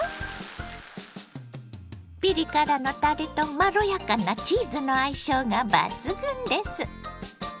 ピリ辛のたれとまろやかなチーズの相性が抜群です。